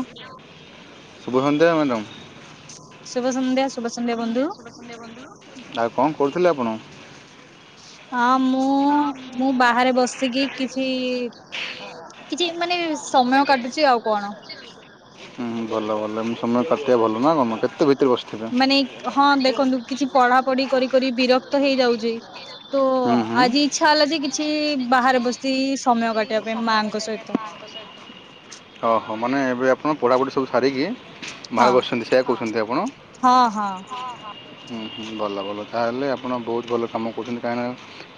Hello, ସୁୁଭ ସନ୍ଧ୍ୟା madam. ଶୁଭ ସନ୍ଧ୍ୟା ଶୁଭ ସନ୍ଧ୍ୟା ଶୁଭ ସନ୍ଧ୍ୟା, ଆଉ କଣ କରୁଥିଲେ ଆପଣ? ହଁ ମୁଁ ମୁଁ ବାହାରେ ବସିକି କିଛି କିଛି ମାନେ ସମୟ କାଟୁଛି ଆଉ କଣ। ହୁଁ ଭଲ ଭଲ ସମୟ କାଟିବା ଭଲ ନା ମ କେତେ ଭିତରେ ବସି ମାନେ ହଁ ଦେଖନ୍ତୁ କିଛି ପଢା ପଢି କରି କରି ବିରକ୍ତ ହେଇଯାଉଛି। ତ ହୁଁ ହୁଁ ଆଜି ଇଚ୍ଛା ହେଲା ଯେ କିଛି ବାହାରେ ବସି ସମୟ କା କି ସମୟ କାଟିବା ପାଇଁ ମା ଙ୍କ ସହିତ। ଓହୋ ମାନେ ଏବେ ଆପଣ ପଢାପଢ଼ି ସବୁ ସାରିକି ବାହାରେ ହଁ ବସିଛନ୍ତି ସେୟା କହୁଛନ୍ତି ଆପଣ ହଁ ହଁ ହୁଁ ହୁଁ ଭଲ ଭଲ ତାହେଲେ ଆପଣ ବହୁତ ଭଲ କାମ କରୁଛନ୍ତି। କାହିଁକିନା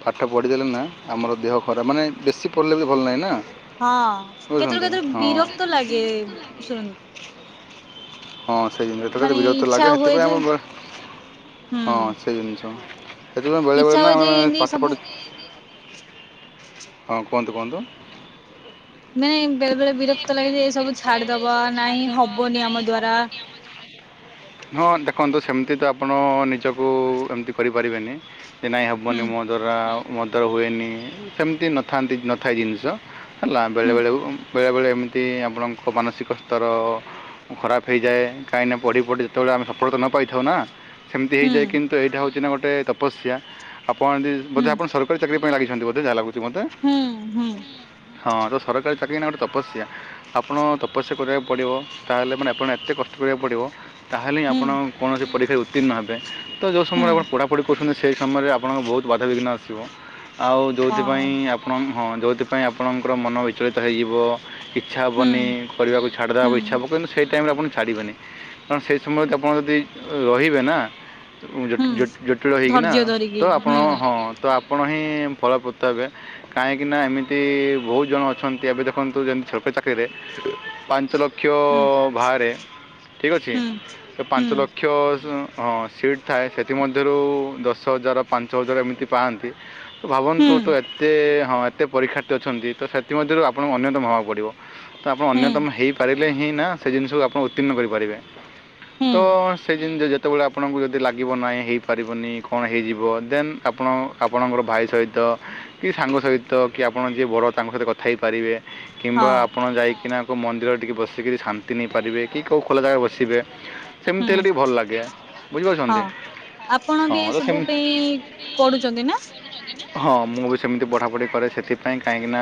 ପାଠ ପଢ଼ିଦେଲେ ନା ଆମର ଦେହ ଖରାପ, ମାନେ ବେଶୀ ପଢ଼ିଲେ ବି ଭଲ ନାହିଁ ନା। ହଁ କହୁଛନ୍ତି କେତେବେଳେ କେତେବେଳେ ହଁ ବିରକ୍ତ ଲାଗେ ଯାଏ। ଶୁଣନ୍ତୁ ହଁ ସେଇ ଜିନିଷ ମାନେ ବିରକ୍ତ ଇଚ୍ଛା ଲାଗେ ହୁଏ ଯେ ସେଥିପାଇଁ ଆମ ହୁଁ ହଁ ସେ ଜିନିଷ ସେଥିପାଇଁ ଇଚ୍ଛା ବେଳେବେଳେ ନା ହୁଏ ଯେ ଆମେ ଏମିତି ସବୁ ପାଠପଢ଼ୁ ହଁ କୁହନ୍ତୁ କୁହନ୍ତୁ ନାହିଁ ବେଳେ ବେଳେ ବିରକ୍ତ ଲାଗେ ଯେ ଏ ସବୁ ଛାଡିଦବା ନାହିଁ ହବନି ଆମ ଦ୍ଵାରା। ହଁ ଦେଖନ୍ତୁ ସେମିତି ତ ଆପଣ ନିଜକୁ ଏମିତି କରିପାରିବେନି। ଯେ ନାହିଁ ହୁଁ ହେବନି ମୋ ଦାରା ମୋ ଦ୍ୱାରା ହୁଏନି ସେମିତି ନଥାନ୍ତି ନଥାଏ ଜିନିଷ। ହେଲା ବେଳେବେଳେ ବେଳେବେଳେ ଏମିତି ଆପଣଙ୍କ ମାନସିକ ସ୍ତର ଖରାପ ହେଇଯାଏ କାହିଁକିନା ପଢ଼ି ପଢ଼ି ଯେତେବେଳେ ଆମେ ସଫଳତା ନ ପାଇଥାଉ ନା। ସେମିତି ହେଇଯାଏ ଧୈର୍ଯ୍ୟ କିନ୍ତୁ ଏଇଟା ହେଉଛି ନା ଗୋଟେ ତପସ୍ୟା ଆପଣ ଯଦି ବୋଧେ ଆପଣ ସରକାରୀ ଚାକିରି ଲାଗିଛନ୍ତି ବୋେ ଯାହା ଲାଗୁଛି ମତେ ହୁଁ ହଁ ତ ସରକାରୀ ଚାକିରି ନା ଗୋଟେ ତପସ୍ୟା। ଆପଣ ତପସ୍ୟା କରିବାକୁ ପଡ଼ିବ ତାହେଲେ ମାନେ ଆପଣଙ୍କୁ ଏତେ କଷ୍ଟ କରିବାକୁ ପଡ଼ିବ ତାହେଲେ ହିଁ ଆପଣ। କୌଣସି ପରୀକ୍ଷାରେ ଉତ୍ତୀର୍ଣ୍ଣ ହେବେ ତ ଯୋଉ ସମୟରେ ଆପଣ ପଢ଼ାପଢ଼ି କରୁଛନ୍ତି ସେହି ସମୟରେ ଆପଣଙ୍କ ବହୁତ ବାଧାବିଘ୍ନ ଆସିବ। ଆଉ ଯେଉଁଥିପାଇଁ ଆପଣ ହଁ ଯେଉଁଥିପାଇଁ ଆପଣଙ୍କର ମନ ବିଚଳିତ ହେଇଯିବ। ଇଚ୍ଛା ହେବନି କରିବାକୁ ଛାଦବାକୁ ଇଚ୍ଛା ହେବ କିନ୍ତୁ ସେଇ ଟାଇମରେ ଆପଣ ଛାଡ଼ିବେନି। କାରଣ ସେଇ ସମୟରେ ଆପଣ ଯଦି ରହିବେ ନା ଜୁ ଜୁ ଜୁଟିଳ ହେଇକିନା ଧରିକି ତ ଆପଣ ହୁଁ ହଁ ତ ଆପଣ ହିଁ ଫଳ ପ୍ର ତ ଏବେ କାହିଁକିନା ଏମିତି ବହୁତ ଜଣ ଅଛନ୍ତି ଏବେ ଦେଖନ୍ତୁ ଯେମିତି ଛୋରକ ଚାକିରିରେ। ପାଞ୍ଚ ଲକ କ୍ଷ ହୁଁ ବାହାରେ ଠିକ୍ ଅଛି ହୁଁ ହୁଁ ପାଞ୍ଚ ଲକ୍ଷ ହଁ ସିଟ୍ ଥାଏ ସେଥିମଧ୍ୟରୁ ଦଶ ହଜାର ପାଞ୍ଚ ହଜାର ଏମିତି ପାଆନ୍ତି। ତ ହୁଁ ଭାବନ୍ତୁ ତ ଏତେ ହଁ ଏତେ ପରୀକ୍ଷାର୍ଥୀ ଅଛନ୍ତି ତ ସେଥିମଧ୍ୟରୁ ଆପଣଙ୍କୁ ଅନ୍ୟତମ ହେବାକୁ ପଡ଼ିବ। ତ ଆପଣ ହୁଁ ଅନ୍ୟତମ ହେଇପାରି ଲେ ହିଁ ନା ସେ ଜିନିଷକୁ ଆପଣ ଉତ୍ତୀର୍ଣ କରିପାରିବେ। ହୁଁ ତ ସେ ଜିନି ସେତେବେଳେ ଆପଣଙ୍କୁ ଯଦି ଲାଗିବ ନାହିଁ ହୋଇଇପାରିବନି କଣ ହେଇଯିବ ଦେନ୍ ଆପଣ ଆପଣଙ୍କର ଭାଇ ସହିତ। କି ସାଙ୍ଗ ସହିତ କି ଆପଣ ଯିଏ ବଡ଼ ତାଙ୍କ ସହିତ କଥା ହେଇପାରିବେ କିମ୍ବା ହଁ ଆପଣ ଯାଇକିନା କେଉଁ ମନ୍ଦିରରେ ଟିକେ ବସିକି ଶାନ୍ତି ନେଇପାରିବେ କି କୋଉ ଖୋଲା ଜାଗାରେ ବସିବେ। ସେମିତି ହେଲେ ହୁଁ ଟିକଏ ଭଲ ଲାଗେ ବୁଝିପାରୁଛନ୍ତି ହଁ ଆପଣ ବି ହଁ ଏ ତ ସେମ ସବୁ ପାଇଁ ପଢୁଛନ୍ତି ନା? ହଁ ମୁଁ ବି ସେମିତି ପଢ଼ାପଢ଼ି କରେ ସେଥିପାଇଁ କାହିଁକିନା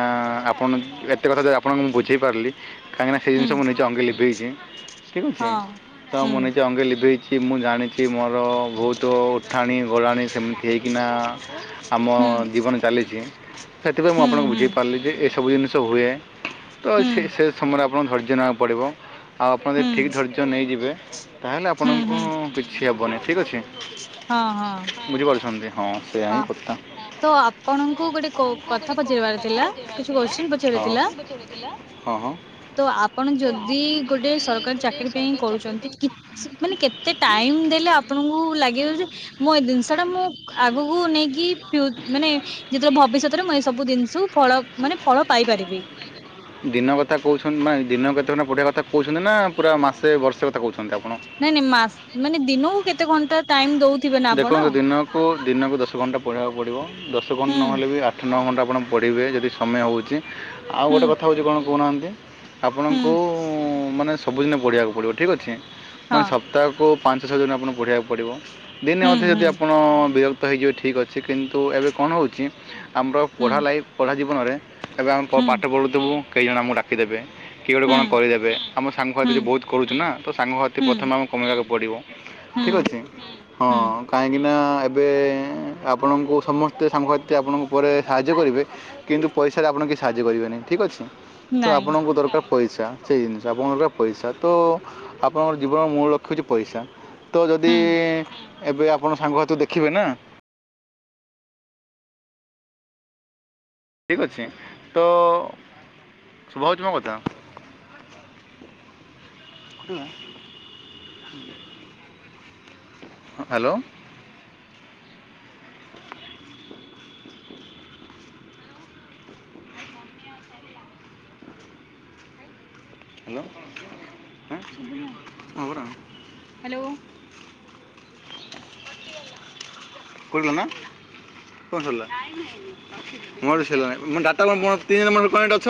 ଆପଣ ଏତେ କଥା ଯଦି ଆପଣଙ୍କୁ ମୁଁ ବୁଝାଇ ପାରିଲି କାହିଁକିନା ସେ ହୁଁ ଜିନିଷ ମୁଁ ନିଜେ ଅଙ୍ଗେ ଲିଭେଇଛି ଠିକ ଅଛି। ହଁ ତ ହୁଁ ମୁୋ ନିଜେ ଅଙ୍ଗେ ଲିଭେଇ କିଛି ମୁଁ ଜାଣିଛି ମୋର ବହୁତ ଉଠାଣି ଗୋଲାଣି ସେମିତି ହୋଇଇକିନା। ଆମ ହୁଁ ଜୀବନ ଚାଲିଛି ସେଥିପାଇଁ ମୁଁ ହୁଁ ଆପଣଙ୍କୁ ହୁଁ ହୁଁ ବୁଝେଇ ପାରିଲି ଯେ ଏସବୁ ଜିନିଷ ହୁଏ। ତ ହୁଁ ହୁଁ ସେ ସେ ସମୟରେ ଆପଣଙ୍କୁ ଧୈର୍ଯ୍ୟ ନେବାକୁ ପଡ଼ିବ ଆଉ ଆପଣ ହୁଁ ଯଦି ଠିକ ଧୈର୍ଯ୍ୟ। ନେଇଯିବେ ତାହେଲେ ହଁ ଆପଣଙ୍କୁ ହଁ ହଁ କିଛି ହେବନି ଠିକ୍ ଅଛି। ବୁଝିପାରୁଛନ୍ତି ହଁ ସେଇୟଆା ହିଁ କଥା। ତ ଆପଣଙ୍କୁ ଗୋଟେ କଥା ପଚାରିବାର ଥିଲା କିଛି କୋଶ୍ଚିନ ହଁ। ପଚାରିବାର ଥିଲା। ହଁ ହଁ। ତ ଆପଣ ଯଦି ଗୋଟେ ସରକାରୀ ଚାକିରୀ ପାଇଁ କରୁଛନ୍ତି କିଛି। ମାନେ କେତେ ଟାଇମ ଦେଲେ ଆପଣଙ୍କୁ ଲାଗିବ ଯେ ମୁଁ ଏ ଜିନିଷ ଟା ମୁଁ ଆଗକୁ ନେଇକି ମାନେ। ଯେତେବେଳେ ଭବିଷ୍ୟତରେ ମୁଁ ଏ ସବୁ ଜିନିଷକୁ ଫଳ ମାନେ ଫଳ ପାଇପାରିବି। ଦିନ କଥା କହୁଛନ୍ତି ମ ଦିନ କେତେବେ ପଢିଆ କଥା କହୁଛନ୍ତି ନା ପୁରା ମାସେ ବର୍ଷେ କଥା। କହୁଛନ୍ତି ଆପଣ? ନାଇଁ ନାଇଁ ମାସ ମାନେ ଦିନକୁ କେତେ ଘଣ୍ଟା ଟାଇମ ଦଉଥିବେ ନା ଆପଣ। କୁ ଦିନକୁ ଦଶ ଘଣ୍ଟା ପଢ଼ିବାକୁ ପଡ଼ିବ ଦଶ ଘଣ୍ଟା ହୁଁ ନହେଲେ ବି ଆଠ ନଅ ଘଣ୍ଟା ଆପଣ ପଢ଼ିବେ ଯଦି ସମୟ ହେଉଛି ଆଉ ହୁଁ ଗୋଟେ କଥା ହେଉଛି କଣ କହୁନାହାନ୍ତି? ହୁଁ ଆପଣଙ୍କୁ ମାନେ ସବୁଦିନ ପଢ଼ିବାକୁ ପଡ଼ିବ ଠିକ୍ ଅଛି ମାନେ ହଁ ସପ୍ତାହକୁ ପାଞ୍ଚ ଛଅ ଜଣ ଆପଣଙ୍କୁ ପଢ଼ିବାବାକୁ ପଡ଼ିବ ଦିନେ ଅଧେ ହୁଁ ଯଦି ଆପଣ ବିରକ୍ତ ହେଇଯିବେ ଠିକ୍ ଅଛି କିନ୍ତୁ ତ ଏବେ କଣ ହେଉଛି ଆମର ହୁଁ ପଢ଼ା ଲାଇଫ ପଢ଼ା ଜୀବନରେ ଏବେ ଆମେ ହୁଁ ପାଠ ପଢୁଥିବୁ କେଇ ଜଣ ଆମକୁ ଡାକିଦେବେ କିଏ ଗୋଟେ ହୁଁ କଣ କରିଦେବେ ଆମ ସାଙ୍ଗ ହାତୀ ହୁଁ ଯଦି ବହୁତ କରୁଛୁ ନା ତ ସାଙ୍ଗ ହାତୀ ହୁଁ ହୁଁ ପ୍ରଥମେ ଆମକୁ କମେଇବାକୁ ପଡ଼ିବ ଠିକ ହୁଁ ଅଛି ହଁ ହୁଁ କାହିଁକି ନା ଏବେ ଆପଣଙ୍କୁ ସମସ୍ତେ ସାଙ୍ଗସାଥି୍ରୀ ଆପଣଙ୍କ ଉପରେ ସାହାଯ୍ୟ କରିବେ କିନ୍ତୁ ପଇସାରେ ଆପଣ କିଛି ସାହାଯ୍ୟ କରିବେ ନାହିଁ ଠିକ୍ ଅଛି ତ ନାଇଁ ଆପଣଙ୍କୁ ଦରକାର ପଇସା ସେଇ ଜିନିଷ ଆପଣଙ୍କା ପଇସା ତ ଆପଣଙ୍କ ଜୀବନର ମୂଳ ଲକ୍ଷ୍ୟ ହେଉଛି ପଇସା ତ ଯଦି ହୁଁ ଏବେ ଆପଣ ସାଙ୍ଗ ହତୁ ଦେଖିବେ ନା ଠିକ୍ ଅଛି ତ ଶଭ ହେଉଛିମା କଥା ହ୍ୟାଲୋ ହଲ ହ୍ୟାଲୋ କୁଲଗନା କଣ ସରିଲା ମୋରଡାଟ [unintelligible]